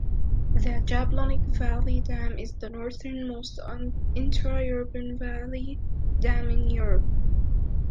The Jablonec valley dam is the northern-most intra-urban valley dam in Europe.